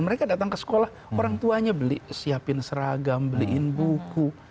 mereka datang ke sekolah orang tuanya beli siapin seragam beliin buku